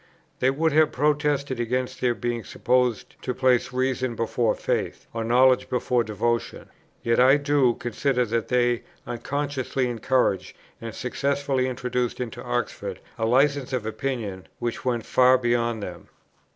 They would have protested against their being supposed to place reason before faith, or knowledge before devotion; yet I do consider that they unconsciously encouraged and successfully introduced into Oxford a licence of opinion which went far beyond them.